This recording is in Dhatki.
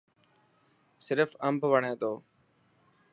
سرف امب وڻي ٿو.